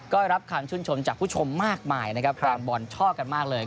ก็รับคำชื่นชมจากผู้ชมมากมายนะครับแฟนบอลชอบกันมากเลย